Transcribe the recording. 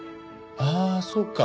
ああそうか。